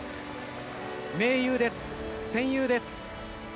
盟友です、戦友です。